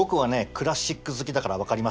クラシック好きだから分かりますよ。